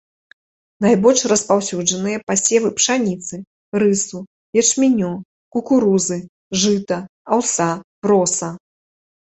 Найбольш распаўсюджаныя пасевы пшаніцы, рысу, ячменю, кукурузы, жыта, аўса, проса.